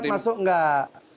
jawa barat masuk nggak